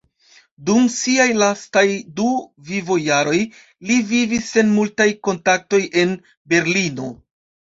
Dum siaj lastaj du vivojaroj li vivis sen multaj kontaktoj en Berlino.